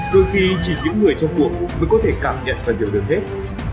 đôi khi chỉ những người trong buộc mới có thể cảm nhận và hiểu được hết